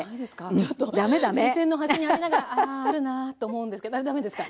ちょっと視線の端にありながらあああるなと思うんですけど駄目ですか？